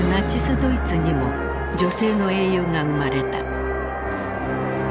ドイツにも女性の英雄が生まれた。